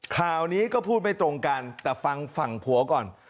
ข่าวนี้ก็พูดไม่ตรงกันแต่ฟังฝั่งผัวก่อน